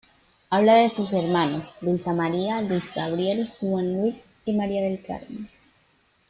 Habla de sus hermanos, Luisa María, Luis Gabriel, Juan Luis y María del Carmen.